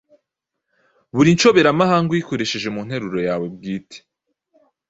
buri nshoberamahanga uyikoreshe mu nteruro yawe bwite.